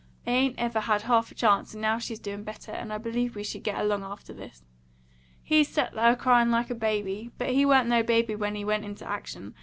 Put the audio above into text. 'I ain't ever had half a chance; and now she's doing better, and I believe we should get along after this.' He set there cryin' like a baby. But he wa'n't no baby when he went into action.